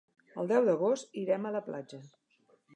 El deu d'agost irem a la platja.